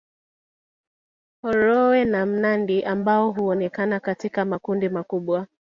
Horoe na mnandi ambao huonekana katika makundi makubwa